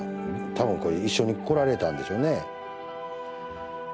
多分これ一緒に来られたんでしょうね。